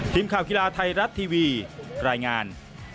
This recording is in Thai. ทีมข่าวกีฬาไทยรัฐทีวีรายงาน